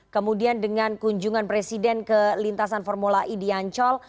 kemudian dengan kunjungan presiden ke lintasan formula e di ancol